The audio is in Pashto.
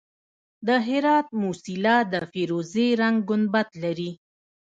د هرات موسیلا د فیروزي رنګ ګنبد لري